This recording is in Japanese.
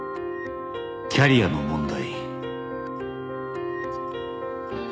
「キャリアの問題」